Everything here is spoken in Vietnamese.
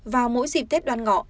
vào mỗi dịp tết đoàn ngọ